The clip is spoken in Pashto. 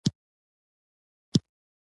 که سړک یا پټلۍ وي نو ستونزه ډیره نه وي